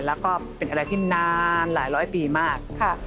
แล้วก็เป็นอะไรที่นานหลายร้อยปีมาก